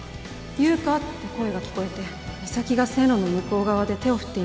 「優花」って声が聞こえて岬が線路の向こう側で手を振っていました。